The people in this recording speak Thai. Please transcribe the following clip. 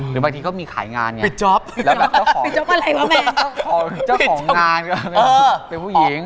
หรือบางทีก็มีขายงานจับไว้เจ้าของงานเป็นผู้หญิง